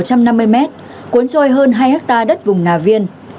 khoảng một trăm năm mươi mét cuốn trôi hơn hai hectare đất vùng ngà viên